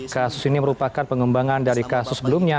kasus ini merupakan pengembangan dari kasus sebelumnya